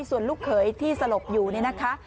ส่วนลูกเขยที่สลบอยู่นี่นะคะ